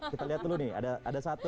kita lihat dulu nih ada satu